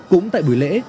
cũng tại buổi lễ